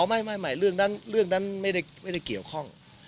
อ๋อไม่เรื่องนั้นไม่ได้เกี่ยวข้อง